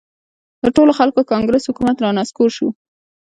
د ټولو خلکو کانګرس حکومت را نسکور شو.